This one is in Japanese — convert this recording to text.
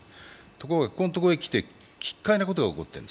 ところがここのところへきて、奇っ怪なことが起こっている。